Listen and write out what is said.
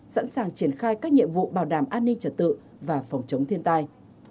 sẵn sàng triển khai các nhiệm vụ bảo đảm an ninh trật tự và phòng chống thiên tai